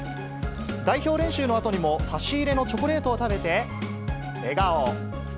代表練習のあとにも、差し入れのチョコレートを食べて、笑顔。